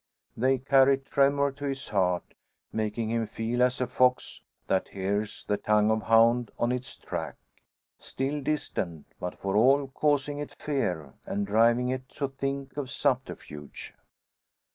They carry tremor to his heart, making him feel as a fox that hears the tongue of hound on its track. Still distant, but for all causing it fear, and driving it to think of subterfuge.